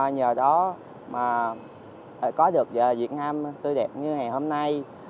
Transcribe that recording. nhờ đó mà có được việt nam tươi đẹp như ngày hôm nay